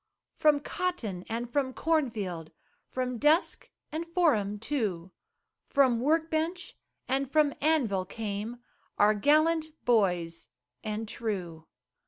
From cotton and from corn field, From desk and forum too, From work bench and from anvil, came Our gallant boys and true.